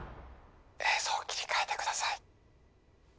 映像を切り替えてください